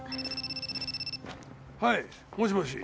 はいもしもし。